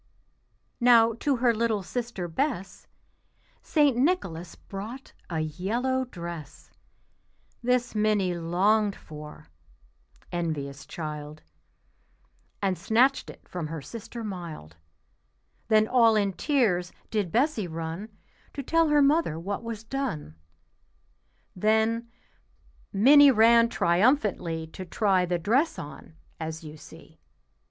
Now to her little sister Bess St. Nicholas brought a yellow dress; This Minnie longed for (envious child), And snatched it from her sister mild. Then all in tears did Bessie run To tell her mother what was done. Then Minnie ran triumphantly To try the dress on, as you see.